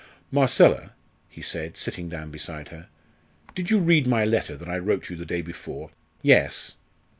"Marcella," he said, sitting down beside her, "did you read my letter that I wrote you the day before ?" "Yes."